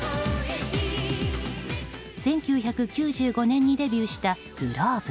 １９９５年にデビューしたｇｌｏｂｅ。